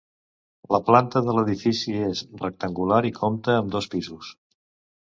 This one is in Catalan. La planta de l'edifici és rectangular i compta amb dos pisos.